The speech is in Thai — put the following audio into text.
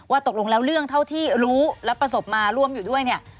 ตกลงแล้วเรื่องเท่าที่รู้และประสบมาร่วมอยู่ด้วยเนี่ย